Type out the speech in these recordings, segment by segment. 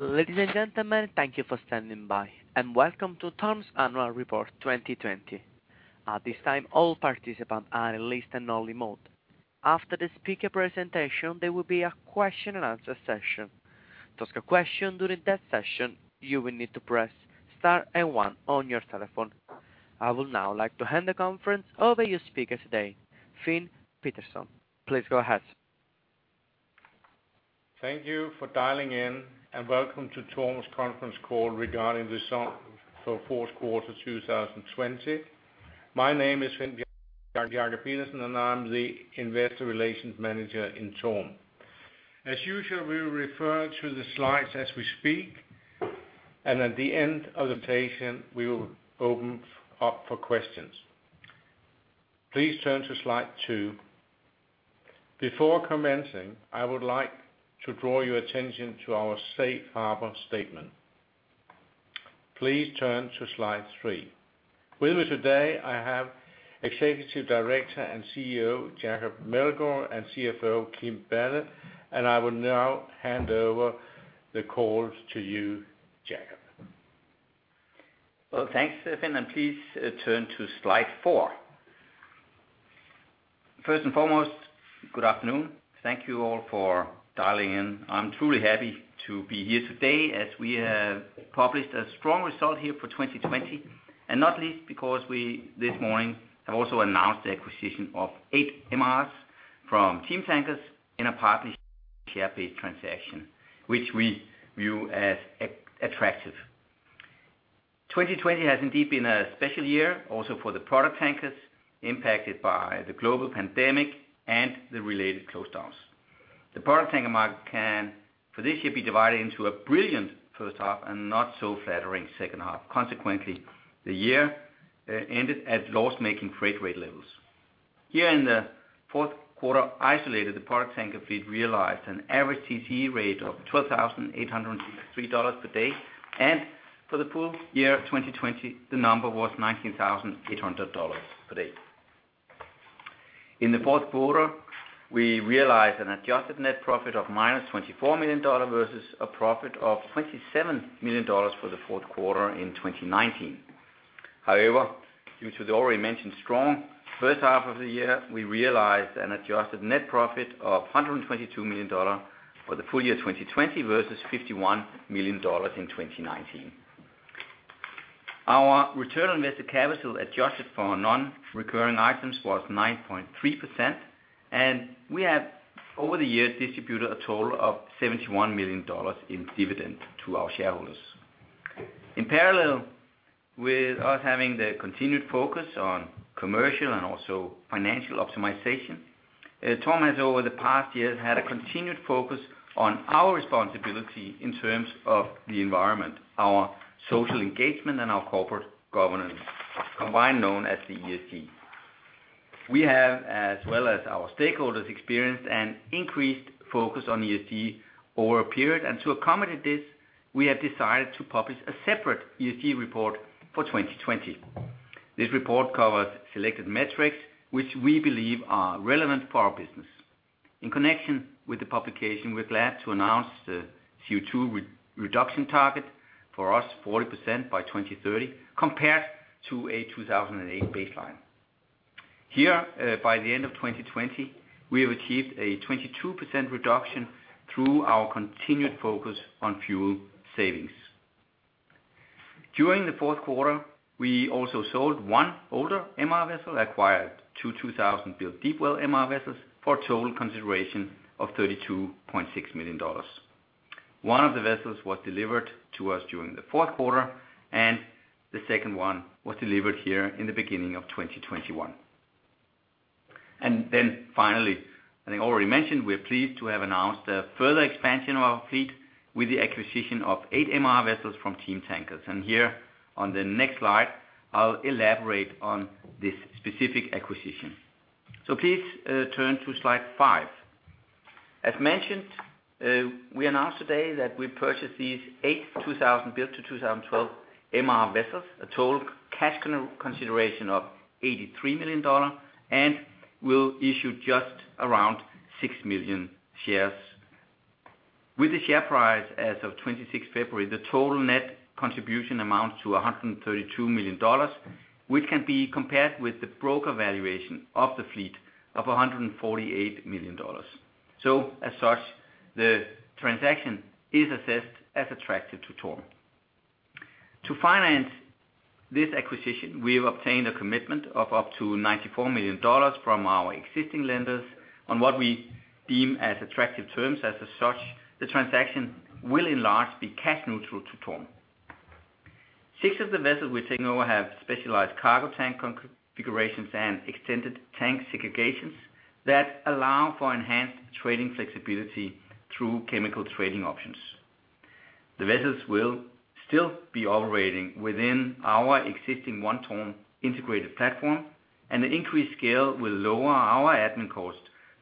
Ladies and gentlemen, thank you for standing by, and welcome to TORM's Annual Report 2020. At this time, all participants are in listen-only mode. After the speaker presentation, there will be a question-and-answer session. To ask a question during that session, you will need to press star and one on your telephone. I would now like to hand the conference over to your speaker today, Finn Petersson. Please go ahead. Thank you for dialing in, and welcome to TORM's conference call regarding the fourth quarter 2020. My name is Finn Petersen, and I'm the Investor Relations Manager in TORM. As usual, we will refer to the slides as we speak, and at the end of the presentation, we will open up for questions. Please turn to slide two. Before commencing, I would like to draw your attention to our Safe Harbor Statement. Please turn to slide three. With me today, I have Executive Director and CEO Jacob Meldgaard, and CFO Kim Balle, and I will now hand over the call to you, Jacob. Thanks, Finn, and please turn to slide four. First and foremost, good afternoon. Thank you all for dialing in. I'm truly happy to be here today as we have published a strong result here for 2020, and not least because we this morning have also announced the acquisition of eight MR vessels from Team Tankers in a partly share-based transaction, which we view as attractive. 2020 has indeed been a special year, also for the product tankers, impacted by the global pandemic and the related close downs. The product tanker market can for this year be divided into a brilliant first half and not so flattering second half. Consequently, the year ended at loss-making freight rate levels. Here in the fourth quarter, isolated, the product tanker fleet realized an average TCE rate of $12,863 per day, and for the full year 2020, the number was $19,800 per day. In the fourth quarter, we realized an adjusted net profit of $-24 million versus a profit of $27 million for the fourth quarter in 2019. However, due to the already mentioned strong first half of the year, we realized an adjusted net profit of $122 million for the full year 2020 versus $51 million in 2019. Our return on invested capital adjusted for non-recurring items was 9.3%, and we have, over the year, distributed a total of $71 million in dividend to our shareholders. In parallel with us having the continued focus on commercial and also financial optimization, TORM has, over the past year, had a continued focus on our responsibility in terms of the environment, our social engagement, and our corporate governance, combined known as the ESG. We have, as well as our stakeholders, experienced an increased focus on ESG over a period, and to accommodate this, we have decided to publish a separate ESG report for 2020. This report covers selected metrics which we believe are relevant for our business. In connection with the publication, we're glad to announce the CO2 reduction target for us, 40% by 2030, compared to a 2008 baseline. Here, by the end of 2020, we have achieved a 22% reduction through our continued focus on fuel savings. During the fourth quarter, we also sold one older MR vessel, acquired two 2000-built Deepwell MR vessels for a total consideration of $32.6 million. One of the vessels was delivered to us during the fourth quarter, and the second one was delivered here in the beginning of 2021. Finally, I think I already mentioned, we're pleased to have announced a further expansion of our fleet with the acquisition of eight MR vessels from Team Tankers. Here, on the next slide, I'll elaborate on this specific acquisition. Please turn to slide five. As mentioned, we announced today that we purchased these eight 2000-built to 2012 MR vessels, a total cash consideration of $83 million, and we'll issue just around 6 million shares. With the share price as of 26th February, the total net contribution amounts to $132 million, which can be compared with the broker valuation of the fleet of $148 million. As such, the transaction is assessed as attractive to TORM. To finance this acquisition, we have obtained a commitment of up to $94 million from our existing lenders on what we deem as attractive terms. As such, the transaction will, in large, be cash neutral to TORM. Six of the vessels we're taking over have specialized cargo tank configurations and extended tank segregations that allow for enhanced trading flexibility through chemical trading options. The vessels will still be operating within our existing One TORM integrated platform, and the increased scale will lower our admin cost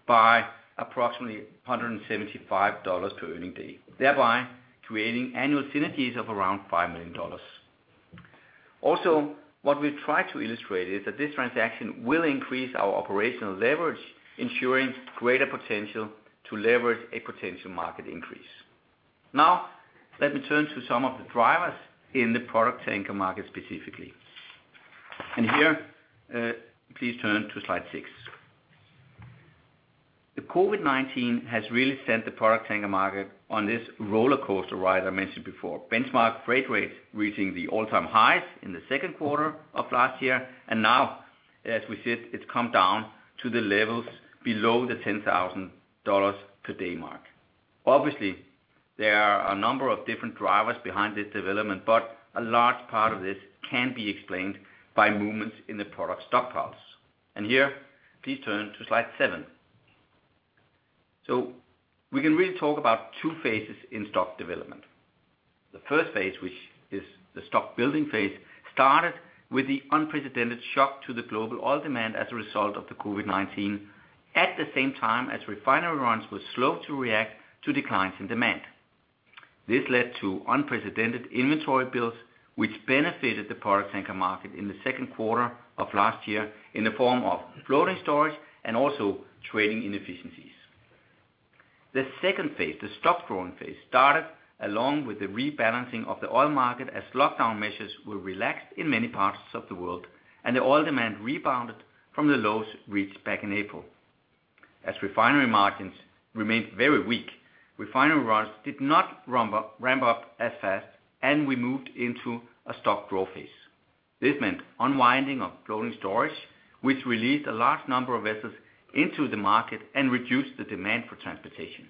by approximately $175 per earning day, thereby creating annual synergies of around $5 million. Also, what we've tried to illustrate is that this transaction will increase our operational leverage, ensuring greater potential to leverage a potential market increase. Now, let me turn to some of the drivers in the product tanker market specifically. Here, please turn to slide six. The COVID-19 has really sent the product tanker market on this roller coaster ride I mentioned before. Benchmark freight rates, reaching the all-time highs in the second quarter of last year, and now, as we said, it's come down to the levels below the $10,000 per day mark. Obviously, there are a number of different drivers behind this development, but a large part of this can be explained by movements in the product stockpiles, and here, please turn to slide seven, so we can really talk about two phases in stock development. The first phase, which is the stock building phase, started with the unprecedented shock to the global oil demand as a result of the COVID-19, at the same time as refinery runs were slow to react to declines in demand. This led to unprecedented inventory builds, which benefited the product tanker market in the second quarter of last year in the form of floating storage and also trading inefficiencies. The second phase, the stock growing phase, started along with the rebalancing of the oil market as lockdown measures were relaxed in many parts of the world, and the oil demand rebounded from the lows reached back in April. As refinery margins remained very weak, refinery runs did not ramp up as fast, and we moved into a stock growth phase. This meant unwinding of floating storage, which released a large number of vessels into the market and reduced the demand for transportation.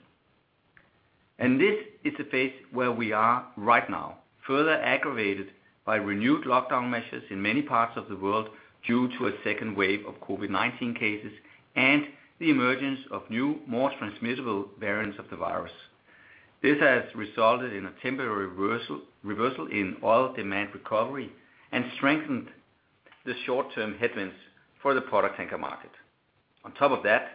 This is the phase where we are right now, further aggravated by renewed lockdown measures in many parts of the world due to a second wave of COVID-19 cases and the emergence of new, more transmissible variants of the virus. This has resulted in a temporary reversal in oil demand recovery and strengthened the short-term headwinds for the product tanker market. On top of that,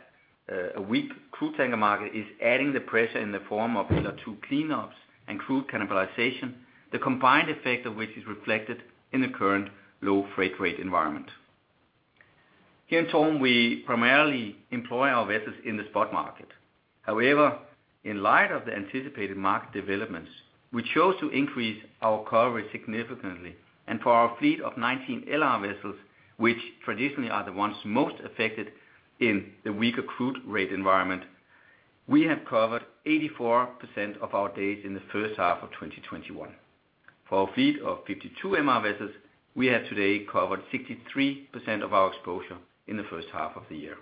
a weak crude tanker market is adding the pressure in the form of two cleanups and crude cannibalization, the combined effect of which is reflected in the current low freight rate environment. Here in TORM, we primarily employ our vessels in the spot market. However, in light of the anticipated market developments, we chose to increase our coverage significantly. For our fleet of 19 LR vessels, which traditionally are the ones most affected in the weaker crude rate environment, we have covered 84% of our days in the first half of 2021. For a fleet of 52 MR vessels, we have today covered 63% of our exposure in the first half of the year.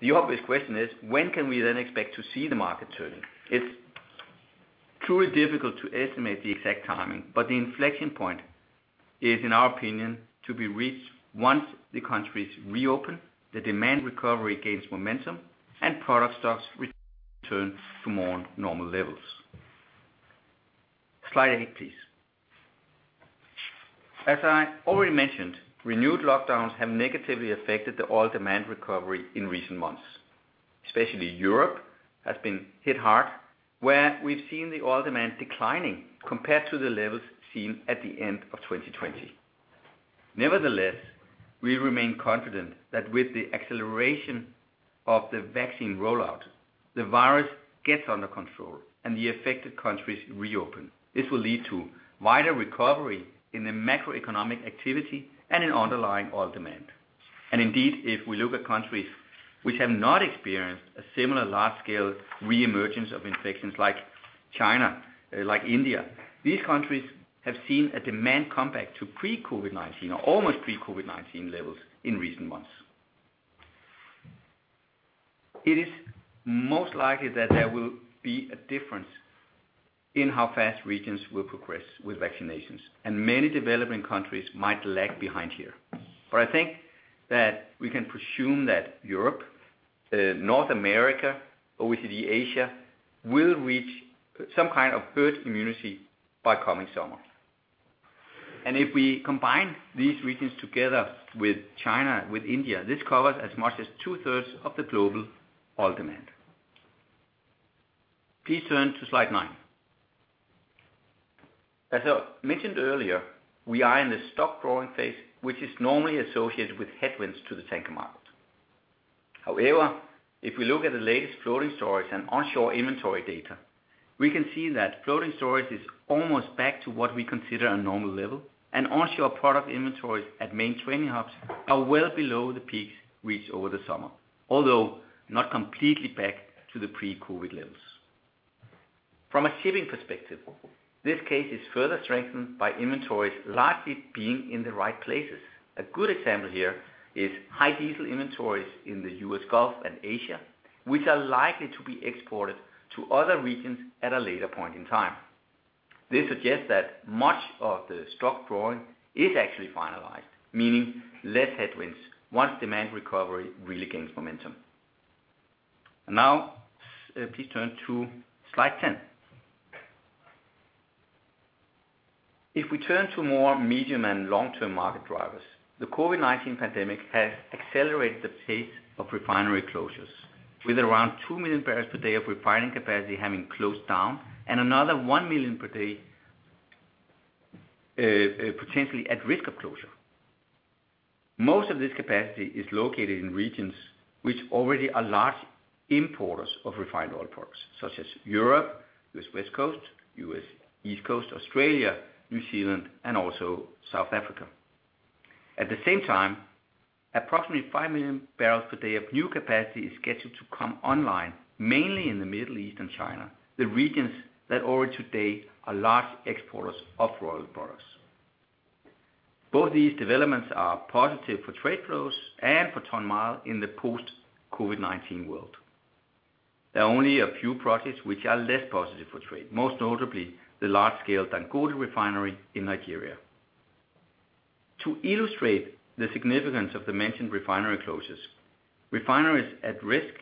The obvious question is, when can we then expect to see the market turning? It's truly difficult to estimate the exact timing, but the inflection point is, in our opinion, to be reached once the countries reopen, the demand recovery gains momentum, and product stocks return to more normal levels. Slide eight, please. As I already mentioned, renewed lockdowns have negatively affected the oil demand recovery in recent months. Especially Europe has been hit hard, where we've seen the oil demand declining compared to the levels seen at the end of 2020. Nevertheless, we remain confident that with the acceleration of the vaccine rollout, the virus gets under control and the affected countries reopen. This will lead to wider recovery in the macroeconomic activity and in underlying oil demand. And indeed, if we look at countries which have not experienced a similar large-scale reemergence of infections like China, like India, these countries have seen a demand comeback to pre-COVID-19 or almost pre-COVID-19 levels in recent months. It is most likely that there will be a difference in how fast regions will progress with vaccinations, and many developing countries might lag behind here. But I think that we can presume that Europe, North America, OECD Asia will reach some kind of herd immunity by coming summer. And if we combine these regions together with China, with India, this covers as much as two-thirds of the global oil demand. Please turn to slide nine. As I mentioned earlier, we are in the stock growing phase, which is normally associated with headwinds to the tanker market. However, if we look at the latest floating storage and onshore inventory data, we can see that floating storage is almost back to what we consider a normal level, and onshore product inventories at main trading hubs are well below the peaks reached over the summer, although not completely back to the pre-COVID levels. From a shipping perspective, this case is further strengthened by inventories largely being in the right places. A good example here is high diesel inventories in the U.S. Gulf and Asia, which are likely to be exported to other regions at a later point in time. This suggests that much of the stock growing is actually finalized, meaning less headwinds once demand recovery really gains momentum. Now, please turn to slide 10. If we turn to more medium and long-term market drivers, the COVID-19 pandemic has accelerated the pace of refinery closures, with around 2 million bbl per day of refining capacity having closed down and another one million per day potentially at risk of closure. Most of this capacity is located in regions which already are large importers of refined oil products, such as Europe, U.S. West Coast, U.S. East Coast, Australia, New Zealand, and also South Africa. At the same time, approximately five million barrels per day of new capacity is scheduled to come online, mainly in the Middle East and China, the regions that already today are large exporters of refined products. Both these developments are positive for trade flows and for ton-mile in the post-COVID-19 world. There are only a few projects which are less positive for trade, most notably the large-scale Dangote refinery in Nigeria. To illustrate the significance of the mentioned refinery closures, refineries at risk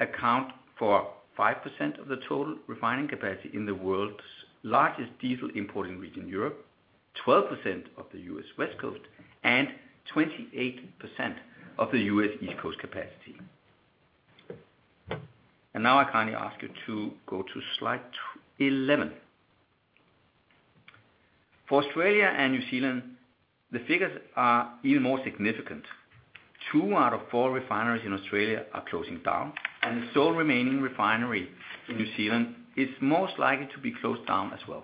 account for 5% of the total refining capacity in the world's largest diesel importing region, Europe, 12% of the U.S. West Coast, and 28% of the U.S. East Coast capacity. I kindly ask you to go to slide 11. For Australia and New Zealand, the figures are even more significant. Two out of four refineries in Australia are closing down, and the sole remaining refinery in New Zealand is most likely to be closed down as well.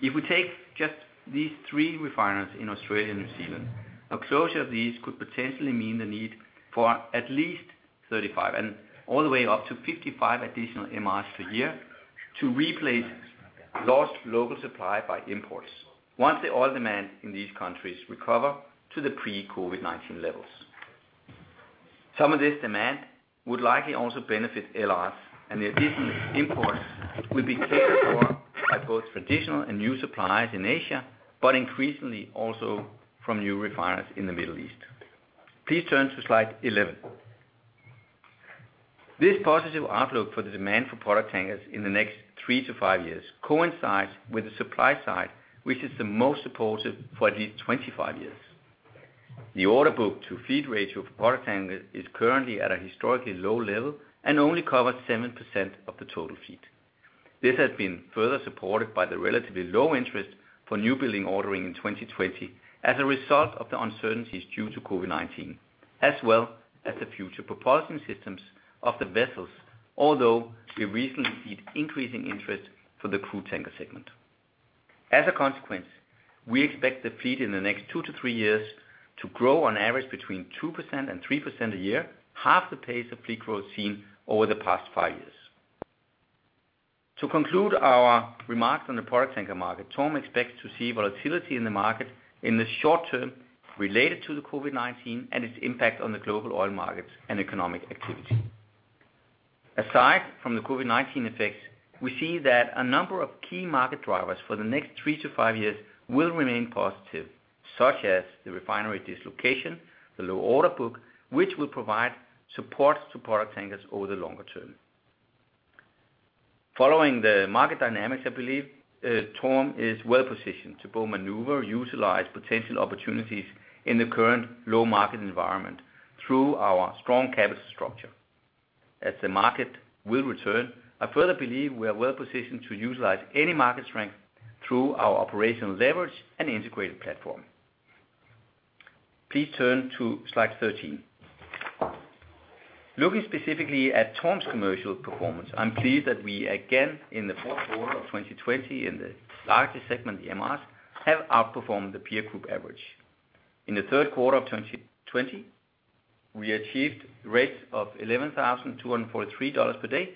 If we take just these three refineries in Australia and New Zealand, a closure of these could potentially mean the need for at least 35 and all the way up to 55 additional MR vessels per year to replace lost local supply by imports once the oil demand in these countries recovers to the pre-COVID-19 levels. Some of this demand would likely also benefit LRs, and the additional imports will be taken over by both traditional and new suppliers in Asia, but increasingly also from new refineries in the Middle East. Please turn to slide 11. This positive outlook for the demand for product tankers in the next three years-five years coincides with the supply side, which is the most supportive for at least 25 years. The orderbook-to-fleet ratio for product tankers is currently at a historically low level and only covers 7% of the total fleet. This has been further supported by the relatively low interest for newb`uilding ordering in 2020 as a result of the uncertainties due to COVID-19, as well as the future propulsion systems of the vessels, although we recently see increasing interest for the crude tanker segment. As a consequence, we expect the fleet in the next two years-three years to grow on average between 2%-3% a year, half the pace of fleet growth seen over the past five years. To conclude our remarks on the product tanker market, TORM expects to see volatility in the market in the short term related to the COVID-19 and its impact on the global oil markets and economic activity. Aside from the COVID-19 effects, we see that a number of key market drivers for the next three years-five years will remain positive, such as the refinery dislocation, the low order book, which will provide support to product tankers over the longer term. Following the market dynamics, I believe TORM is well positioned to both maneuver, utilize potential opportunities in the current low market environment through our strong capital structure. As the market will return, I further believe we are well positioned to utilize any market strength through our operational leverage and integrated platform. Please turn to slide 13. Looking specifically at TORM's commercial performance, I'm pleased that we again, in the fourth quarter of 2020, in the largest segment, the MRs, have outperformed the peer group average. In the third quarter of 2020, we achieved rates of $11,243 per day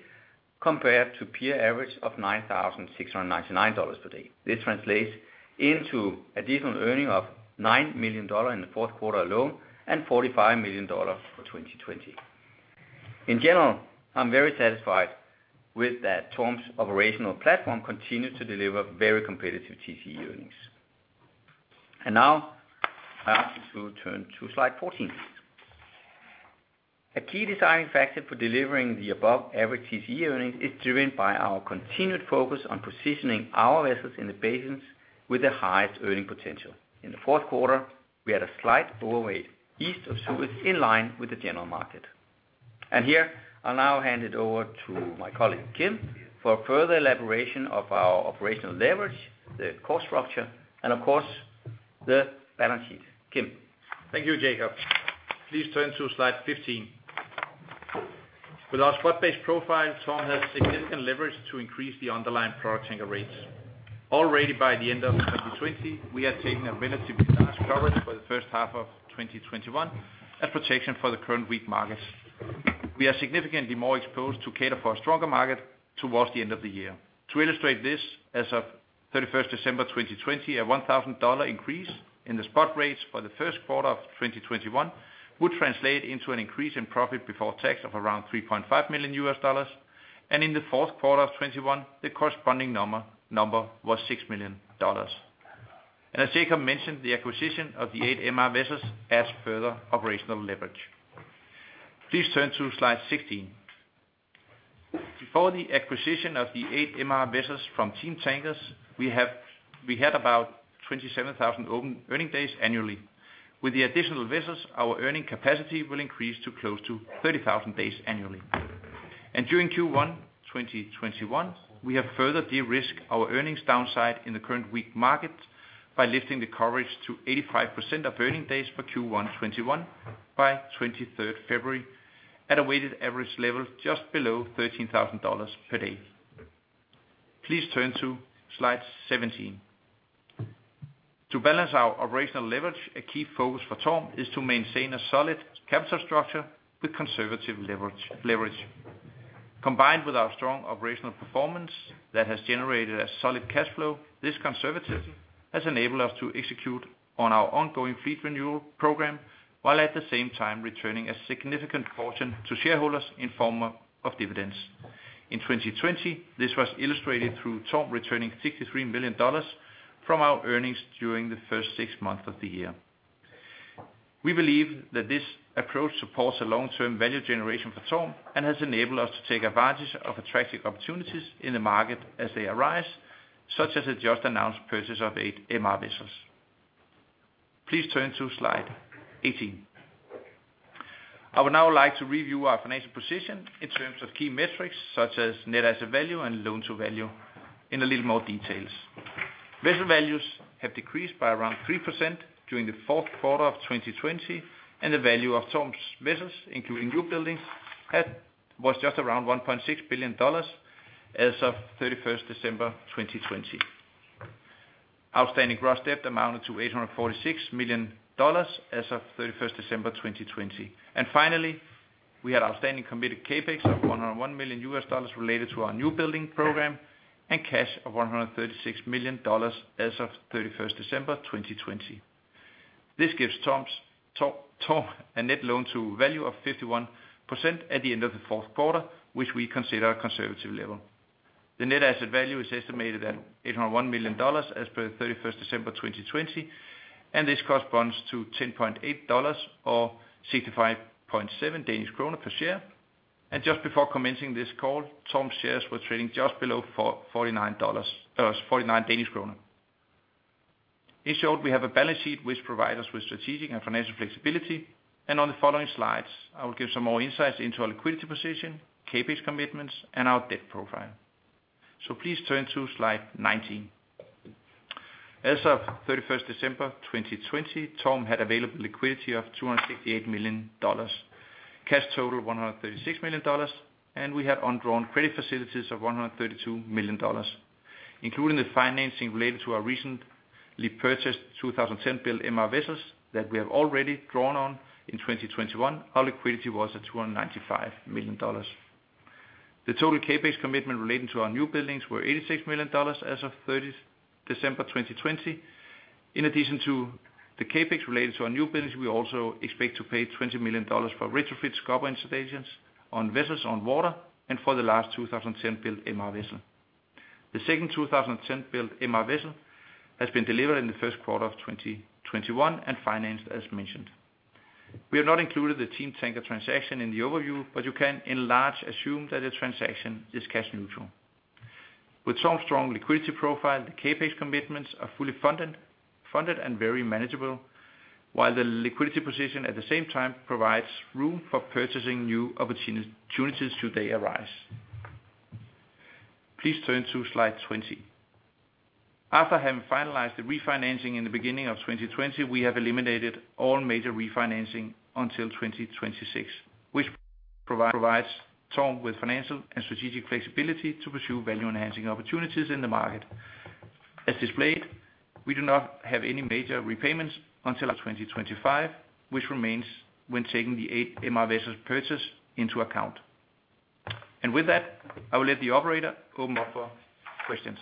compared to peer average of $9,699 per day. This translates into additional earning of $9 million in the fourth quarter alone and $45 million for 2020. In general, I'm very satisfied with that TORM's operational platform continues to deliver very competitive TCE earnings. Now, I ask you to turn to slide 14, please. A key deciding factor for delivering the above-average TCE earnings is driven by our continued focus on positioning our vessels in the basins with the highest earning potential. In the fourth quarter, we had a slight overweight east of Suez in line with the general market, and here, I'll now hand it over to my colleague, Kim, for further elaboration of our operational leverage, the cost structure, and of course, the balance sheet. Thank you, Jacob. Please turn to slide 15. With our spot-based profile, TORM has significant leverage to increase the underlying product tanker rates. Already by the end of 2020, we had taken a relatively large coverage for the first half of 2021 as protection for the current weak markets. We are significantly more exposed to cater for a stronger market towards the end of the year. To illustrate this, as of 31st December 2020, a $1,000 increase in the spot rates for the first quarter of 2021 would translate into an increase in profit before tax of around $3.5 million U.S. dollars. And in the fourth quarter of 2021, the corresponding number was $6 million. And as Jacob mentioned, the acquisition of the eight MR vessels adds further operational leverage. Please turn to slide 16. Before the acquisition of the eight MR vessels from Team Tankers, we had about 27,000 open earning days annually. With the additional vessels, our earning capacity will increase to close to 30,000 days annually. And during Q1 2021, we have further de-risked our earnings downside in the current weak market by lifting the coverage to 85% of earning days for Q1 2021 by 23rd February at a weighted average level just below $13,000 per day. Please turn to slide 17. To balance our operational leverage, a key focus for TORM is to maintain a solid capital structure with conservative leverage. Combined with our strong operational performance that has generated a solid cash flow, this conservatively has enabled us to execute on our ongoing fleet renewal program while at the same time returning a significant portion to shareholders in form of dividends. In 2020, this was illustrated through TORM returning $63 million from our earnings during the first six months of the year. We believe that this approach supports a long-term value generation for TORM and has enabled us to take advantage of attractive opportunities in the market as they arise, such as the just-announced purchase of eight MR vessels. Please turn to slide 18. I would now like to review our financial position in terms of key metrics such as net asset value and loan-to-value in a little more detail. Vessel values have decreased by around 3% during the fourth quarter of 2020, and the value of TORM's vessels, including new buildings, was just around $1.6 billion as of 31st December 2020. Outstanding gross debt amounted to $846 million as of 31st December 2020. And finally, we had outstanding committed CapEx of $101 million related to our new building program and cash of $136 million as of 31st December 2020. This gives TORM a net loan-to-value of 51% at the end of the fourth quarter, which we consider a conservative level. The net asset value is estimated at $801 million as per 31st December 2020, and this corresponds to $10.8 or 65.7 Danish kroner per share. And just before commencing this call, TORM's shares were trading just below DKK 49. In short, we have a balance sheet which provides us with strategic and financial flexibility. And on the following slides, I will give some more insights into our liquidity position, CapEx commitments, and our debt profile. So please turn to slide 19. As of 31st December 2020, TORM had available liquidity of $268 million, cash total $136 million, and we had on-drawn credit facilities of $132 million. Including the financing related to our recently purchased 2010-built MR vessels that we have already drawn on in 2021, our liquidity was at $295 million. The total CapEx commitment relating to our new buildings was $86 million as of 30th December 2020. In addition to the CapEx related to our new buildings, we also expect to pay $20 million for retrofit scrubber installations on vessels on water and for the last 2010-built MR vessel. The second 2010-built MR vessel has been delivered in the first quarter of 2021 and financed, as mentioned. We have not included the Team Tanker transaction in the overview, but you can enlarge assume that the transaction is cash neutral. With TORM's strong liquidity profile, the CapEx commitments are fully funded and very manageable, while the liquidity position at the same time provides room for purchasing new opportunities should they arise. Please turn to slide 20. After having finalized the refinancing in the beginning of 2020, we have eliminated all major refinancing until 2026, which provides TORM with financial and strategic flexibility to pursue value-enhancing opportunities in the market. As displayed, we do not have any major repayments until 2025, which remains when taking the eight MR vessels purchase into account. And with that, I will let the operator open up for questions.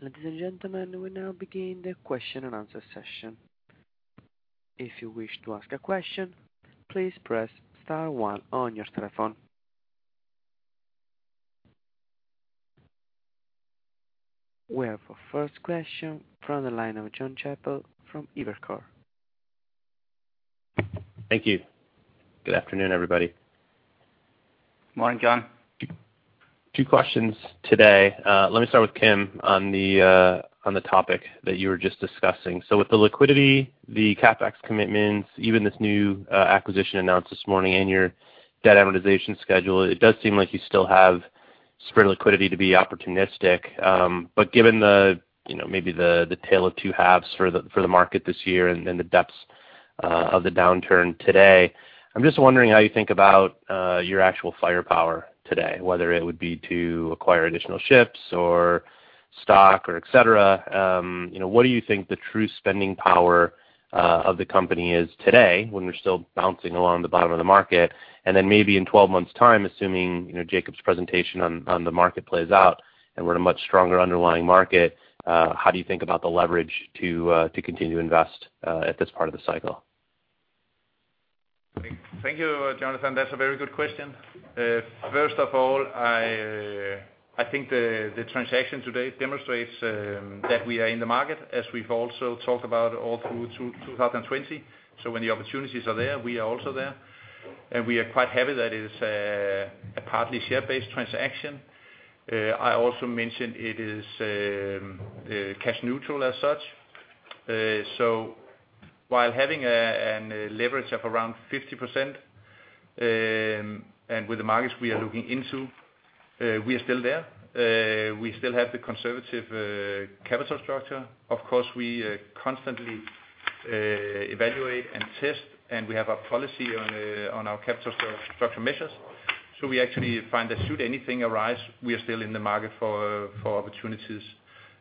Ladies and gentlemen, we now begin the question and answer session. If you wish to ask a question, please press star one on your telephone. We have our first question from the line of John Chappell from Evercore. Thank you. Good afternoon, everybody. Good morning, John. Two questions today. Let me start with Kim on the topic that you were just discussing. So with the liquidity, the CapEx commitments, even this new acquisition announced this morning and your debt amortization schedule, it does seem like you still have spread liquidity to be opportunistic. But given maybe the tale of two halves for the market this year and the depths of the downturn today, I'm just wondering how you think about your actual firepower today, whether it would be to acquire additional ships or stock or et cetera. What do you think the true spending power of the company is today when we're still bouncing along the bottom of the market? And then maybe in 12 months' time, assuming Jacob's presentation on the market plays out and we're in a much stronger underlying market, how do you think about the leverage to continue to invest at this part of the cycle? Thank you, Jonathan. That's a very good question. First of all, I think the transaction today demonstrates that we are in the market as we've also talked about all through 2020. So when the opportunities are there, we are also there. And we are quite happy that it is a partly share-based transaction. I also mentioned it is cash neutral as such. So while having a leverage of around 50% and with the markets we are looking into, we are still there. We still have the conservative capital structure. Of course, we constantly evaluate and test, and we have a policy on our capital structure measures. So we actually find that should anything arise, we are still in the market for opportunities.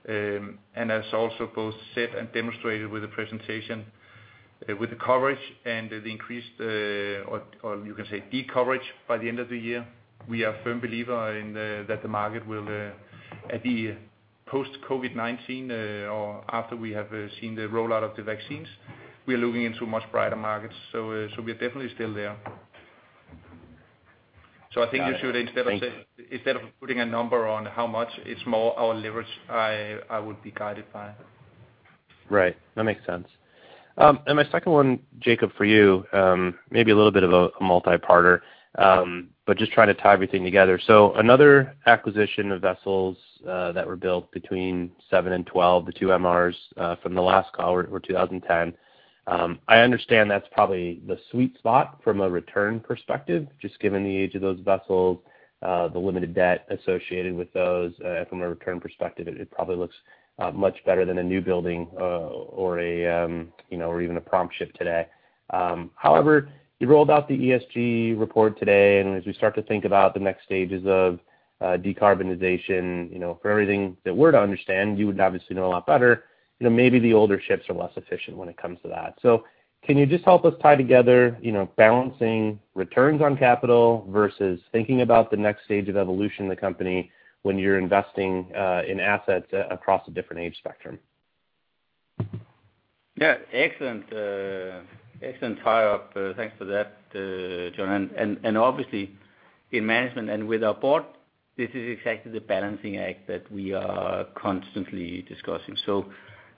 And as also both said and demonstrated with the presentation, with the coverage and the increased, or you can say, decoverage by the end of the year, we are a firm believer in that the market will, at the post-COVID-19 or after we have seen the rollout of the vaccines, we are looking into much brighter markets. So we are definitely still there. So I think instead of putting a number on how much, it's more our leverage I would be guided by. Right. That makes sense. And my second one, Jacob, for you, maybe a little bit of a multi-parter, but just trying to tie everything together. So another acquisition of vessels that were built between 2007 and 2012, the two MRs from the last call were 2010. I understand that's probably the sweet spot from a return perspective, just given the age of those vessels, the limited debt associated with those, and from a return perspective, it probably looks much better than a newbuilding or even a prompt ship today. However, you rolled out the ESG report today, and as we start to think about the next stages of decarbonization, for everything that we're to understand, you would obviously know a lot better, maybe the older ships are less efficient when it comes to that. So can you just help us tie together balancing returns on capital versus thinking about the next stage of evolution in the company when you're investing in assets across a different age spectrum? Yeah. Excellent tie-up. Thanks for that, John, and obviously, in management and with our board, this is exactly the balancing act that we are constantly discussing.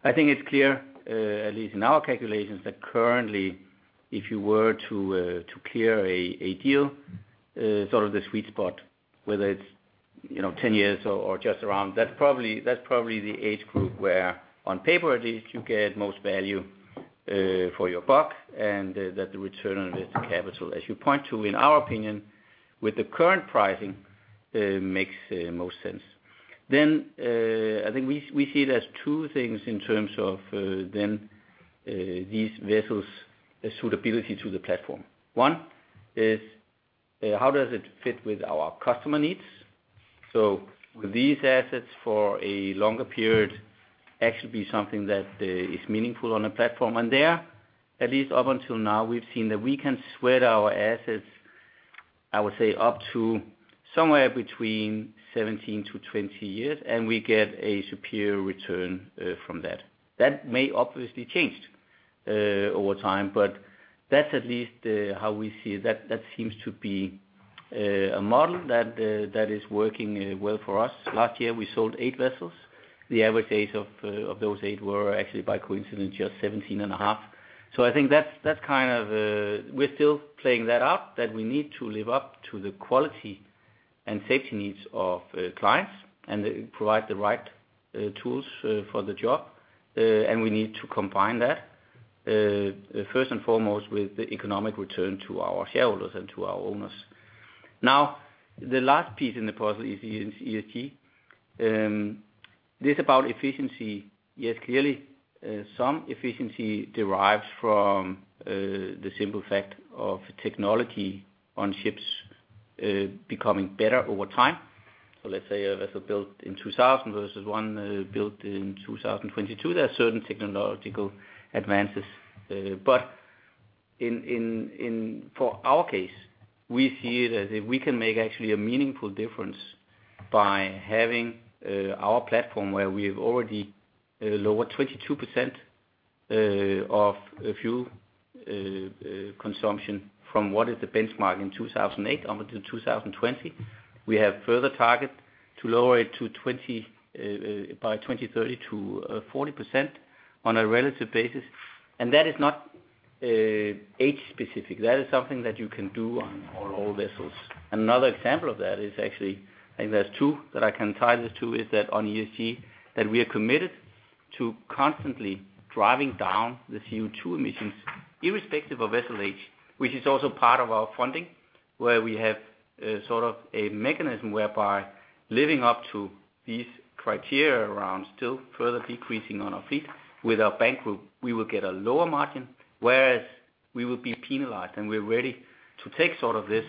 I think it's clear, at least in our calculations, that currently, if you were to clear a deal, sort of the sweet spot, whether it's 10 years or just around, that's probably the age group where, on paper at least, you get most value for your buck and that the return on invested capital, as you point to, in our opinion, with the current pricing, makes most sense. Then I think we see it as two things in terms of then these vessels' suitability to the platform. One is, how does it fit with our customer needs? So will these assets for a longer period actually be something that is meaningful on a platform? And there, at least up until now, we've seen that we can spread our assets, I would say, up to somewhere between 17 years-20 years, and we get a superior return from that. That may obviously change over time, but that's at least how we see it. That seems to be a model that is working well for us. Last year, we sold eight vessels. The average age of those eight were actually, by coincidence, just 17.5 years. So I think that's kind of we're still playing that out that we need to live up to the quality and safety needs of clients and provide the right tools for the job. And we need to combine that, first and foremost, with the economic return to our shareholders and to our owners. Now, the last piece in the puzzle is ESG. This is about efficiency. Yes, clearly, some efficiency derives from the simple fact of technology on ships becoming better over time. So let's say a vessel built in 2000 versus one built in 2022, there are certain technological advances. But for our case, we see it as if we can make actually a meaningful difference by having our platform where we have already lowered 22% of fuel consumption from what is the benchmark in 2008 up until 2020. We have further targeted to lower it by 2030 to 40% on a relative basis. And that is not age-specific. That is something that you can do on all vessels. And another example of that is actually, I think there's two that I can tie this to, is that on ESG, that we are committed to constantly driving down the CO2 emissions, irrespective of vessel age, which is also part of our funding, where we have sort of a mechanism whereby living up to these criteria around still further decreasing on our fleet with our bank group, we will get a lower margin, whereas we will be penalized. And we're ready to take sort of this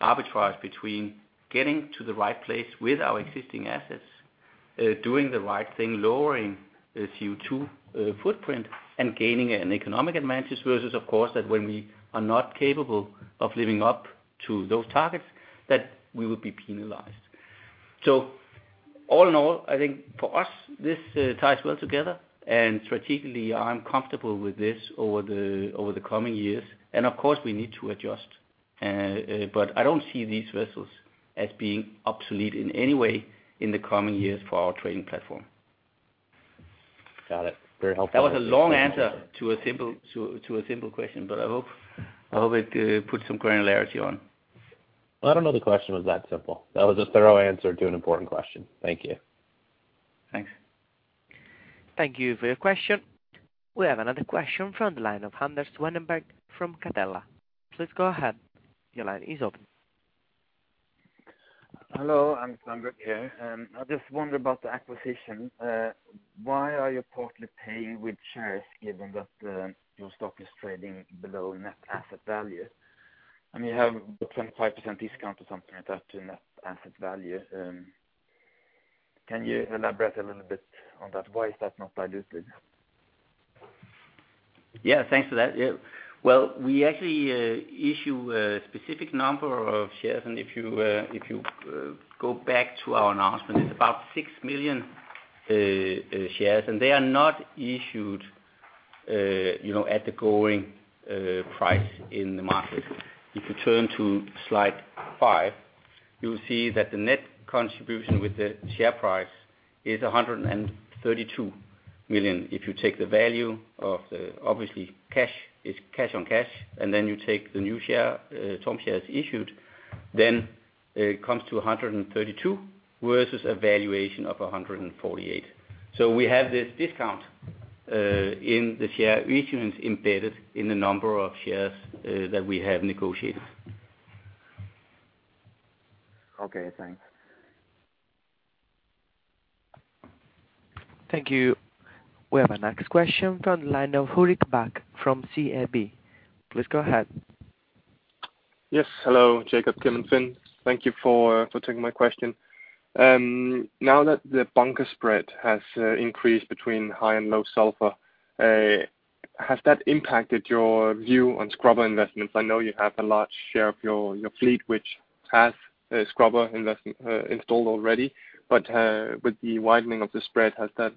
arbitrage between getting to the right place with our existing assets, doing the right thing, lowering the CO2 footprint, and gaining an economic advantage versus, of course, that when we are not capable of living up to those targets, that we will be penalized. So all in all, I think for us, this ties well together. And strategically, I'm comfortable with this over the coming years. And of course, we need to adjust. But I don't see these vessels as being obsolete in any way in the coming years for our trading platform. Got it. Very helpful. That was a long answer to a simple question, but I hope it puts some granularity on. Well, I don't know the question was that simple. That was a thorough answer to an important question. Thank you. Thanks. Thank you for your question. We have another question from the line of Anders Wennberg from Catella. Please go ahead. Your line is open. Hello. I'm Anders here. I just wonder about the acquisition. Why are you partly paying with shares given that your stock is trading below net asset value? And you have a 25% discount or something like that to net asset value. Can you elaborate a little bit on that? Why is that not diluted? Yeah. Thanks for that. Well, we actually issue a specific number of shares. And if you go back to our announcement, it's about 6 million shares. And they are not issued at the going price in the market. If you turn to slide 5, you'll see that the net contribution with the share price is $132 million. If you take the value of the, obviously, cash is cash on cash, and then you take the new share, TOM shares issued, then it comes to $132 million versus a valuation of $148 million. So we have this discount in the share issuance embedded in the number of shares that we have negotiated. Okay. Thanks. Thank you. We have a next question from the line of Ulrik Bak from SEB. Please go ahead. Yes. Hello, Jacob Kim and Finn. Thank you for taking my question. Now that the bunker spread has increased between high and low sulfur, has that impacted your view on scrubber investments? I know you have a large share of your fleet, which has scrubber installed already. But with the widening of the spread, has that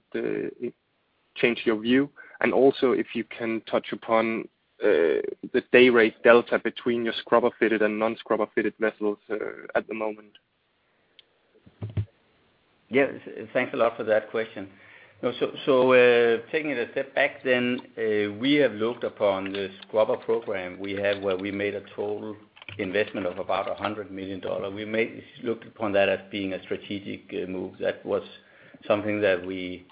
changed your view? And also, if you can touch upon the day rate delta between your scrubber-fitted and non-scrubber-fitted vessels at the moment. Yeah. Thanks a lot for that question. So taking it a step back, then we have looked upon the scrubber program we have where we made a total investment of about $100 million. We looked upon that as being a strategic move. That was something that we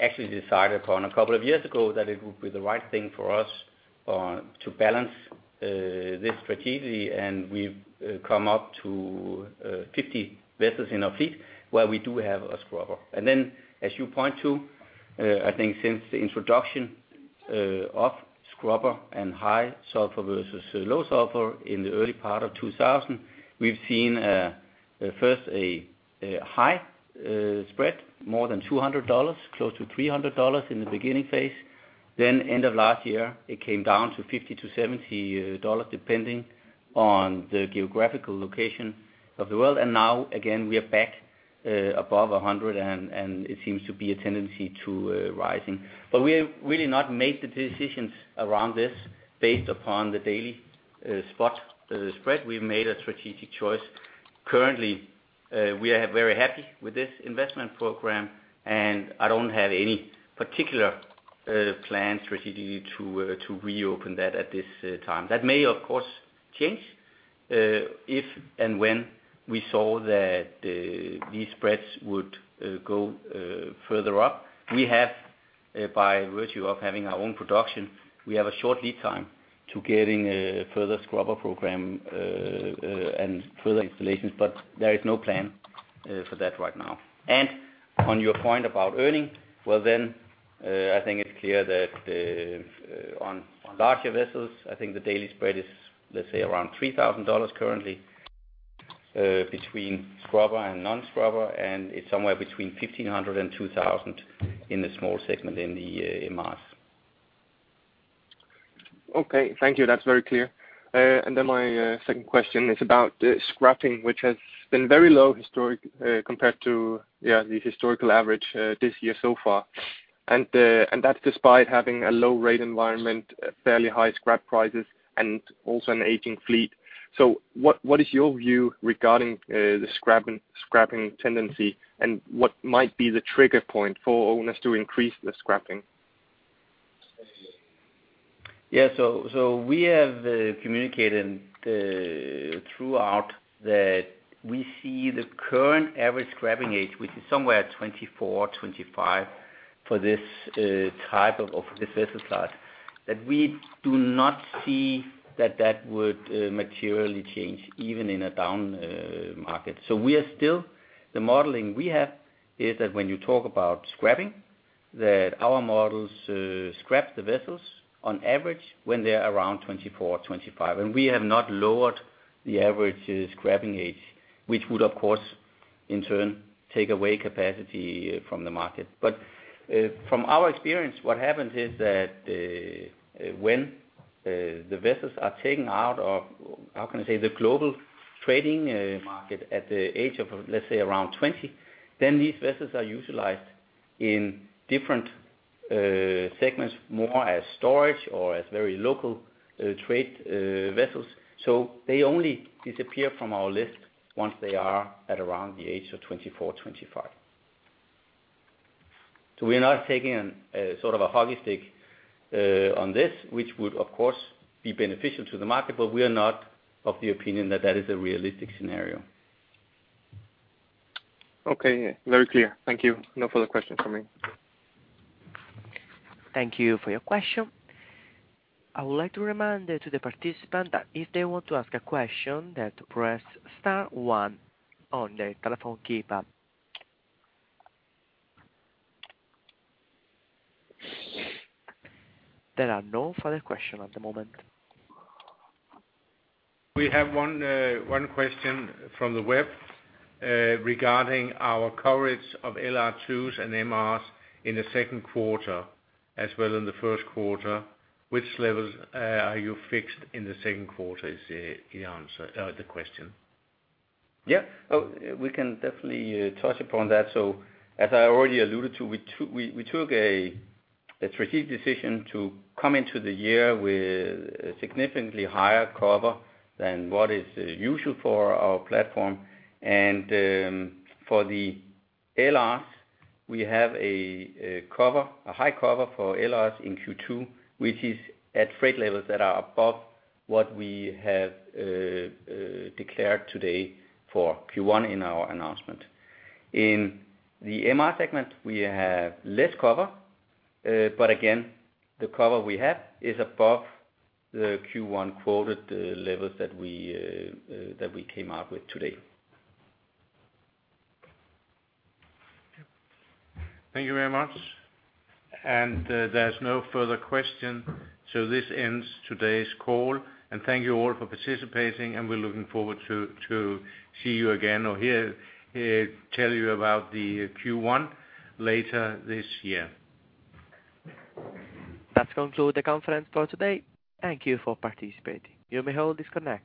actually decided upon a couple of years ago that it would be the right thing for us to balance this strategically. And we've come up to 50 vessels in our fleet where we do have a scrubber. And then, as you point to, I think since the introduction of scrubber and high sulfur versus low sulfur in the early part of 2000, we've seen first a high spread, more than $200, close to $300 in the beginning phase. Then end of last year, it came down to $50-$70 depending on the geographical location of the world. Now, again, we are back above $100, and it seems to be a tendency to rising. But we have really not made the decisions around this based upon the daily spot spread. We've made a strategic choice. Currently, we are very happy with this investment program, and I don't have any particular plan strategically to reopen that at this time. That may, of course, change if and when we saw that these spreads would go further up. We have, by virtue of having our own production, we have a short lead time to getting a further scrubber program and further installations. But there is no plan for that right now. And on your point about earnings, well, then I think it's clear that on larger vessels, I think the daily spread is, let's say, around $3,000 currently between scrubber and non-scrubber, and it's somewhere between $1,500 and $2,000 in the small segment in the MRs. Okay. Thank you. That's very clear. Then my second question is about scrapping, which has been very low historically compared to, yeah, the historical average this year so far. And that's despite having a low-rate environment, fairly high scrap prices, and also an aging fleet. So what is your view regarding the scrapping tendency and what might be the trigger point for owners to increase the scrapping? Yeah. So we have communicated throughout that we see the current average scrapping age, which is somewhere at 24 years, 25 years for this type of vessel size, that we do not see that that would materially change even in a down market. So we are still the modeling we have is that when you talk about scrapping, that our models scrap the vessels on average when they're around 24 years, 25years. And we have not lowered the average scrapping age, which would, of course, in turn, take away capacity from the market. But from our experience, what happens is that when the vessels are taken out of, how can I say, the global trading market at the age of, let's say, around 20 years, then these vessels are utilized in different segments, more as storage or as very local trade vessels. So they only disappear from our list once they are at around the age of 24 years, 25years. So we're not taking sort of a hockey stick on this, which would, of course, be beneficial to the market, but we are not of the opinion that that is a realistic scenario. Okay. Very clear. Thank you. No further questions from me. Thank you for your question. I would like to remind the participants that if they want to ask a question, they have to press star one on the telephone keypad. There are no further questions at the moment. We have one question from the web regarding our coverage of LR2s and MRs in the second quarter as well as in the first quarter. Which levels are you fixed in the second quarter is the question. Yeah. We can definitely touch upon that. So as I already alluded to, we took a strategic decision to come into the year with significantly higher cover than what is usual for our platform. And for the LRs, we have a high cover for LRs in Q2, which is at freight levels that are above what we have declared today for Q1 in our announcement. In the MR segment, we have less cover. But again, the cover we have is above the Q1 quoted levels that we came out with today. Thank you very much. And there's no further question. So this ends today's call. And thank you all for participating. And we're looking forward to see you again or hear you tell you about the Q1 later this year. That concludes the conference for today. Thank you for participating. You may hold this conference.